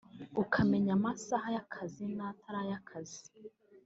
ukamenya amasaha y’akazi n’atari ay’akazi